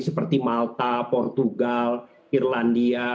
seperti malta portugal irlandia